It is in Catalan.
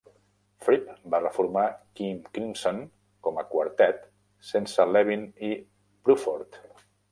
Fripp va reformar King Crimson com a quartet, sense Levin i Bruford.